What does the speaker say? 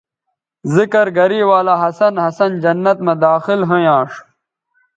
ذکر گرے ولہ ہسن ہسن جنت مہ داخل ھویانݜ